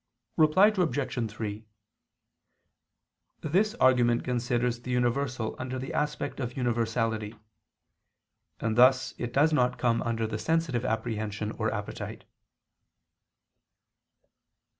Reply Obj. 3: This argument considers the universal under the aspect of universality: and thus it does not come under the sensitive apprehension or appetite.